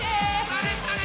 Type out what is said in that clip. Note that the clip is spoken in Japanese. それそれ！